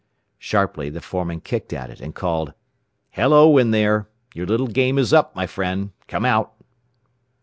Sharply the foreman kicked at it, and called, "Hello, in there! Your little game is up, my friend! Come out!"